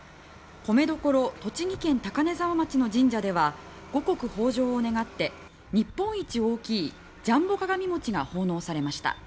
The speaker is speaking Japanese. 米どころ栃木県高根沢町の神社では五穀豊穣を願って日本一大きいジャンボ鏡餅が奉納されました。